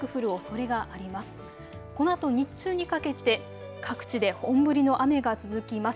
このあと日中にかけて各地で本降りの雨が続きます。